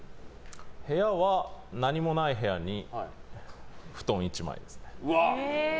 部屋は、何もない部屋に布団１枚ですね。